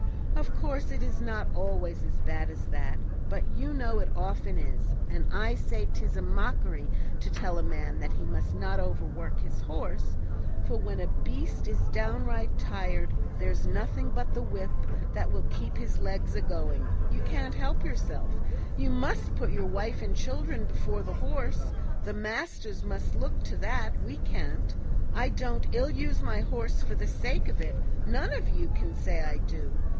Of course, it is not always so bad as that, but you know it often is, and I say 'tis a mockery to tell a man that he must not overwork his horse, for when a beast is downright tired there's nothing but the whip that will keep his legs a going; you can't help yourself you must put your wife and children before the horse; the masters must look to that, we can't. I don't ill use my horse for the sake of it; none of you can say I do.